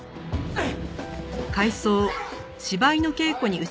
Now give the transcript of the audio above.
はい。